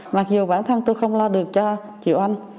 mặc dù bản thân tôi không lo được cho chị anh